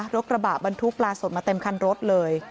กระบะบรรทุกปลาสดมาเต็มคันรถเลย